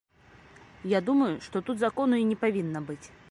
Я думаю, што тут закону і не павінна быць.